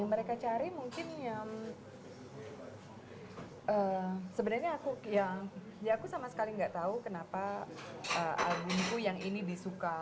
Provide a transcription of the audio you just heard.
yang mereka cari mungkin ya sebenarnya aku ya ya aku sama sekali gak tau kenapa albumku yang ini disuka